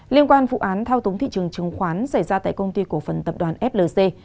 liên quan vụ án thao túng thị trường chứng khoán xảy ra tại công ty cổ phần tập đoàn flc